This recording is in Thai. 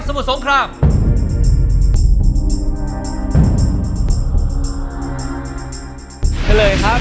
กรุงเทพหมดเลยครับ